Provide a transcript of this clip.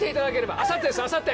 あさってです、あさって！